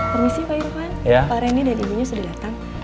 permisi pak irfan pak reni dan ibunya sudah datang